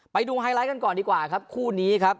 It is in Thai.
ไปดูไฮไลท์กันก่อนดีกว่าครับคู่นี้ครับ